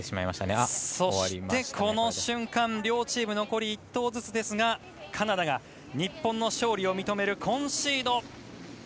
この瞬間両チーム残り１投ずつですがカナダが、日本の勝利を認めるコンシード！